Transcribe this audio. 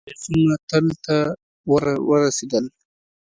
دا تعریفونه تل ته ورورسېدل